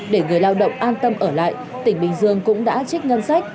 để người lao động an tâm ở lại tỉnh bình dương cũng đã trích ngân sách